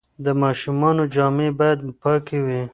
د ماشومانو جامې باید پاکې وي.